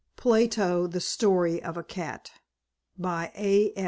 PLATO: THE STORY OF A CAT By A.